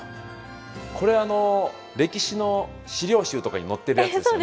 これ歴史の資料集とかに載っているやつですよね。